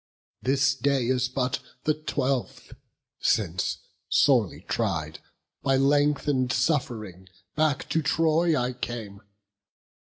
This day is but the twelfth, since, sorely tried By lengthen'd suffering, back to Troy I came.